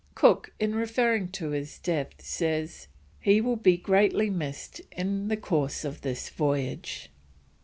Cook, in referring to his death, says: "He will be greatly missed in the course of this voyage."